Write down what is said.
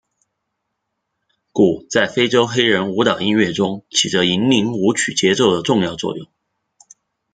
鼓在非洲黑人舞蹈音乐中起着引领舞曲节奏的重要作用。